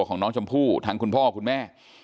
ของน้องชมพู่ทั้งคุณพ่อคุณแม่